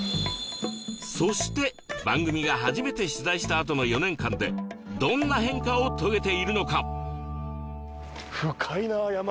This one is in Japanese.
そして番組が初めて取材したあとの４年間でどんな変化を遂げているのか？